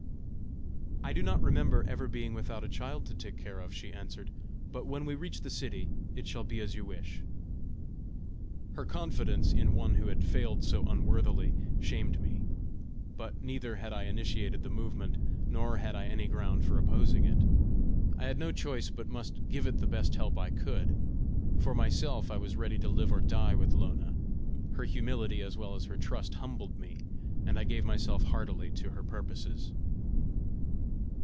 "I do not remember ever being without a child to take care of," she answered; "but when we reach the city, it shall be as you wish!" Her confidence in one who had failed so unworthily, shamed me. But neither had I initiated the movement, nor had I any ground for opposing it; I had no choice, but must give it the best help I could! For myself, I was ready to live or die with Lona. Her humility as well as her trust humbled me, and I gave myself heartily to her purposes.